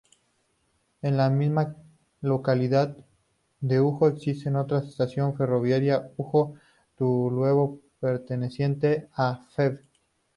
En la misma localidad de Ujo existe otra estación ferroviaria, "Ujo-Taruelo", perteneciente a Feve.